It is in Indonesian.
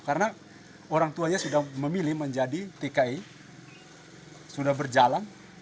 karena orang tuanya sudah memilih menjadi tki sudah berjalan